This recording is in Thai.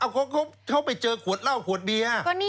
เขาไปเจอขวดเหล้าขวดเบียร์